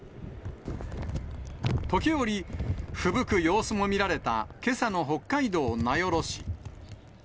時折、ふぶく様子も見られたけさの北海道名寄市。